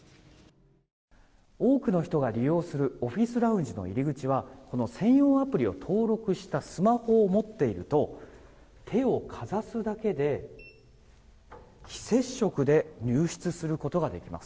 多くの人が利用するオフィスラウンジの入り口はこの専用アプリを登録したスマホを持っていると手をかざすだけで、非接触で入室することができます。